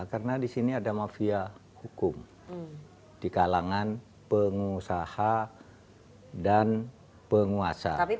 karena di sini ada mafia hukum di kalangan pengusaha dan penguasa